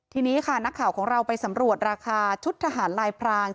ทีนี้ค่ะนักข่าวของเราไปสำรวจราคาชุดทหารลายพราง